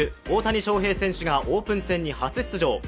大谷翔平選手がオープン戦に初出場。